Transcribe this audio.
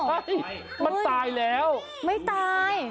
มันตายแล้วไม่ตาย